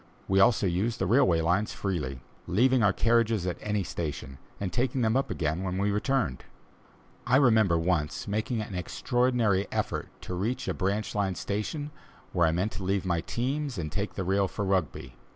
We also used the railway lines freely, leaving our carriages at any station, and taking them up again when we returned. I remember once making an extraordinary effort to reach a branch line station, where I meant to leave my teams and take the rail for Rugby.